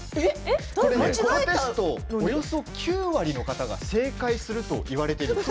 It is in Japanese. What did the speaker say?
このテストおよそ９割の方が正解すると言われています。